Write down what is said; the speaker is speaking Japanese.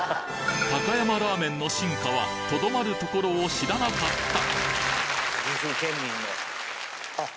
高山ラーメンの進化はとどまるところを知らなかった岐阜県民のあっ。